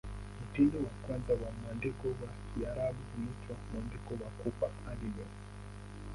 Mtindo wa kwanza wa mwandiko wa Kiarabu huitwa "Mwandiko wa Kufa" hadi leo.